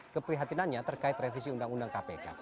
keprihatinannya terkait revisi undang undang kpk